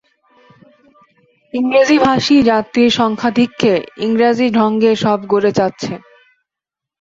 ইংরেজীভাষী যাত্রীর সংখ্যাধিক্যে ইংরাজী ঢঙে সব গড়ে যাচ্চে।